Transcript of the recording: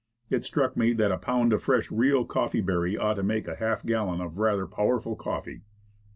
It struck me that a pound of fresh Rio coffee berry ought to make a half gallon of rather powerful coffee.